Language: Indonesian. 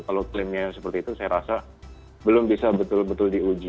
kalau klaimnya seperti itu saya rasa belum bisa betul betul diuji